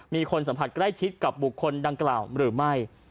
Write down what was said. มีคนสัมผัสใกล้ชิดกับบุคคลดังกล่าวหรือไม่